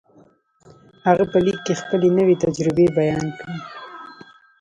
هغه په ليک کې خپلې نوې تجربې بيان کړې.